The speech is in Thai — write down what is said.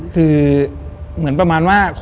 คือเหมือนประมาณว่า